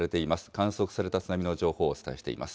観測された津波の情報をお伝えしています。